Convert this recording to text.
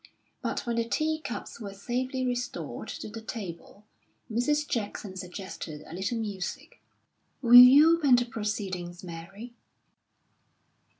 But when the tea cups were safely restored to the table, Mrs. Jackson suggested a little music. "Will you open the proceedings, Mary?"